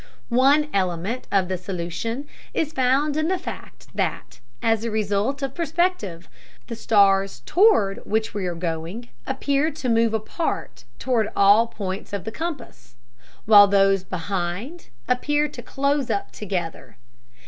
One element of the solution is found in the fact that, as a result of perspective, the stars toward which we are going appear to move apart toward all points of the compass, while those behind appear to close up together.